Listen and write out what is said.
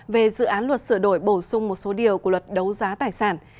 về dự án luật sửa đổi bổ sung một số điều của luật đấu giá tài sản